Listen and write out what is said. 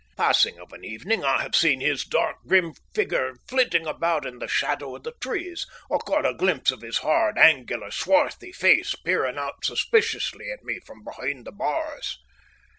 Passing of an evening I have seen his dark, grim figure flitting about in the shadow of the trees, or caught a glimpse of his hard, angular, swarthy face peering out suspiciously at me from behind the bars.